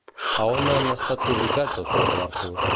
A on han estat publicats els seus versos?